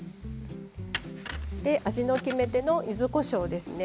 味の決め手のゆずこしょうですね。